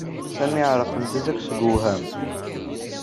Sami ɛerqent-as akk seg uwham.